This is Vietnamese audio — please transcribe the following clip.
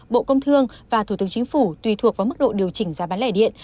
bộ công thương và thủ tướng chính phủ tùy thuộc vào mức độ điều chỉnh giá bán lẻ điện